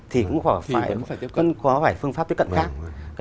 thì cũng có phải phương pháp tiếp cận khác